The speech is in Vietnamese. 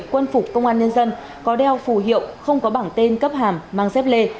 quân phục công an nhân dân có đeo phù hiệu không có bảng tên cấp hàm mang xếp lê